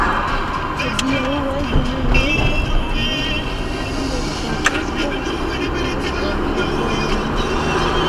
Hodiaŭaj junuloj ofte unue prioritatas bone studi kaj trovi laboron.